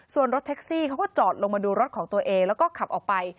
ส่วนรถแท็กซี่เขาก็จอดลงมาดูรถของตัวเองแล้วก็ขับออกไป